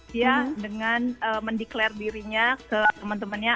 dia dengan mendeklarir dirinya ke temen temennya